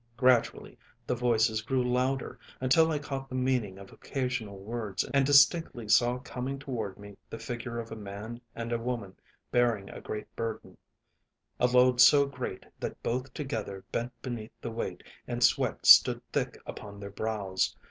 Gradually the voices grew louder, until I caught the meaning of occasional words and distinctly saw coming toward me the figure of a man and a woman bearing a great burden, a load so great that both together bent beneath the weight and sweat stood thick upon their brows.